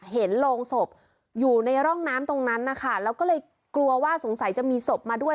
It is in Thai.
เห็นโรงศพอยู่ในร่องน้ำตรงนั้นนะคะแล้วก็เลยกลัวว่าสงสัยจะมีศพมาด้วย